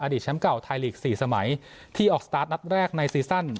แชมป์เก่าไทยลีก๔สมัยที่ออกสตาร์ทนัดแรกในซีซั่น